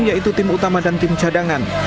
yaitu tim utama dan tim cadangan